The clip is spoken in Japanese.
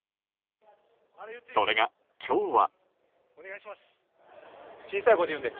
それが、今日は。